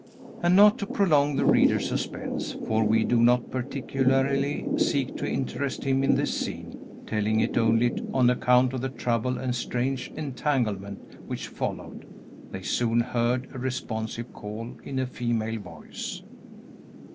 And, not to prolong the reader's suspense (for we do not particularly seek to interest him in this scene, telling it only on account of the trouble and strange entanglement which followed), they soon heard a responsive call, in a female voice.